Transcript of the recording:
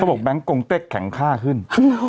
บอกแบงค์กงเต็กแข็งค่าขึ้น